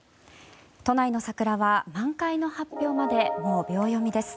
都内の桜は満開の発表までもう秒読みです。